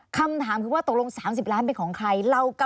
คำถามคือว่าตกลง๓๐ล้านเป็นของใคร